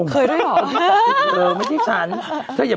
ขยาแล้วหรอไม่ใช่ฉัน